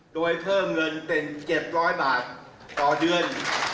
โดยเพิ่มเงินเป็น๗๐๐บาทต่อเดือน